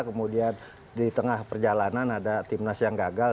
kemudian di tengah perjalanan ada timnas yang gagal